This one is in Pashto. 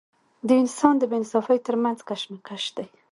د انسان د بې انصافۍ تر منځ کشمکش دی.